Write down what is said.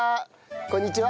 こんにちは。